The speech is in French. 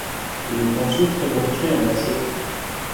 Il est ensuite reconstruit en acier.